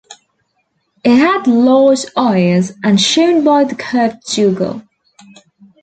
It had large eyes as shown by the curved jugal.